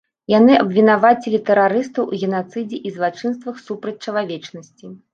Яны абвінавацілі тэрарыстаў у генацыдзе і злачынствах супраць чалавечнасці.